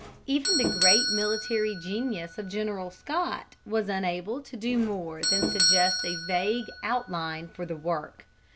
Even the great military genius of General Scott was unable to do more than suggest a vague outline for the work.